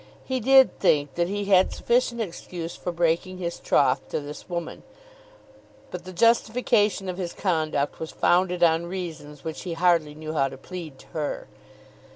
He did think that he had sufficient excuse for breaking his troth to this woman, but the justification of his conduct was founded on reasons which he hardly knew how to plead to her.